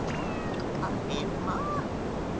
あれまあ！